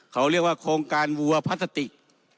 เขาเรียกว่าโครงการวัวพลาสติก